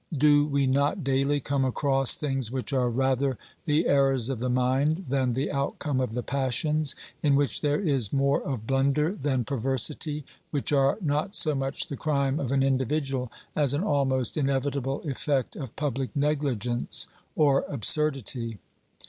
Do we not daily come across things which are rather the errors of the mind than the outcome of the passions, in which there is more of blunder than perversity, which are not so much the crime of an individual as an almost inevitable effect of public negligence or absurdity?